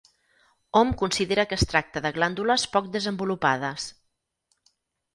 Hom considera que es tracta de glàndules poc desenvolupades.